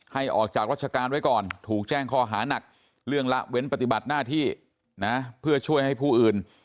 ให้ออกจากราชการไว้ก่อนถูกแจ้งข้อหานักเรื่องละเว้นปฏิบัติหน้าที่นะเพื่อช่วยให้ผู้อื่น